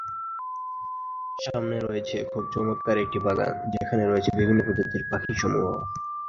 সামনে রয়েছে একটি খুব চমৎকার বাগান, যেখানে রয়েছে বিভিন্ন প্রজাতির পাখি সমূহ।